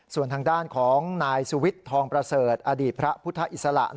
ส่วนทางด้านของนายสุวิทย์ทองประเสริฐอดีตพระพุทธอิสระ